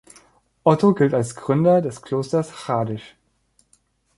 Otto gilt als Gründer des Klosters Hradisch.